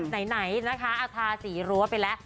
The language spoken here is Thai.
ไหนนะคะเอาทาสีรั้วไปแล้ว